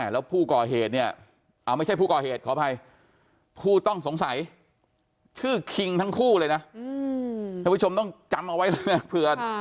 แล้วผู้ก่อเหตุเนี่ยไม่ใช่ผู้ก่อเหตุขออภัยผู้ต้องสงสัยชื่อคิงทั้งคู่เลยนะท่านผู้ชมต้องจำเอาไว้เลยนะเผื่อ